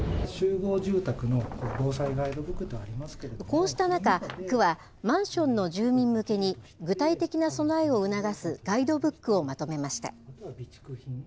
こうした中、区は、マンションの住民向けに、具体的な備えを促すガイドブックをまとめました。